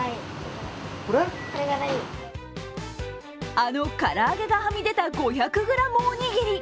あの唐揚げがはみ出た５００ｇおにぎり。